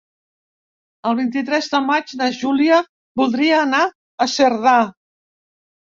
El vint-i-tres de maig na Júlia voldria anar a Cerdà.